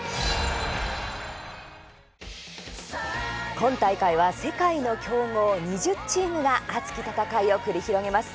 今大会は世界の強豪２０チームが熱き戦いを繰り広げます。